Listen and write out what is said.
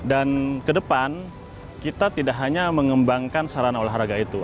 dan kedepan kita tidak hanya mengembangkan sarana olahraga itu